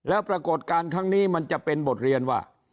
แล้วปรากฏการณ์ทั้งนี้มันจะเป็นบทเรียนว่า